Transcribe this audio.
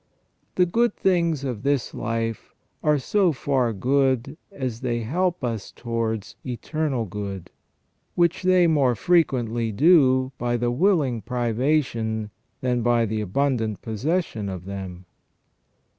The good things of this life are so far good as they help us towards eternal good, which they more frequently do by the willing privation than by the abundant possession of them.